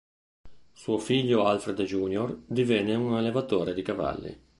Suo figlio Alfred Jr. divenne un allevatore di cavalli.